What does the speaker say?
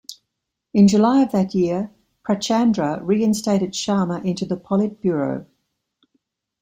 In July of that year Prachandra reinstated Sharma into the politburo.